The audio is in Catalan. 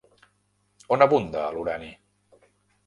On abunda l'urani?